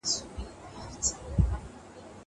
زه به مېوې راټولې کړي وي.